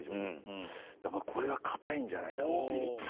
やっぱこれは堅いんじゃないかっていう。